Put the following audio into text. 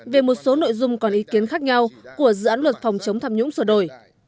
về một số nội dung còn ý kiến khác nhau của dự án luật phòng chống tham nhũng sửa đổi